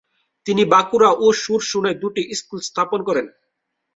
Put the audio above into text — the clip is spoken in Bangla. তিনি বাঁকুড়া ও শুরশুনায় দুটি স্কুল স্থাপন করেন।